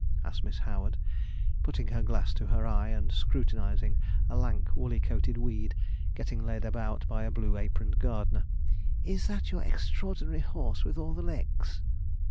asked Miss Howard, putting her glass to her eye, and scrutinizing a lank, woolly coated weed, getting led about by a blue aproned gardener. 'Is that your extraordinary horse, with all the legs?'